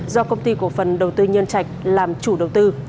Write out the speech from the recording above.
do công ty cổ phần đầu tư nhân trạch làm chủ đầu tư